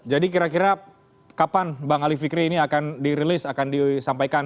jadi kira kira kapan bang ali fikri ini akan dirilis akan disampaikan